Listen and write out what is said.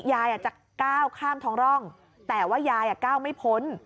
ยายจะก้าวข้ามท้องร่องแต่ว่ายายก้าวไม่พ้น